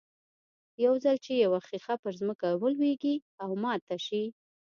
يو ځل چې يوه ښيښه پر ځمکه ولوېږي او ماته شي.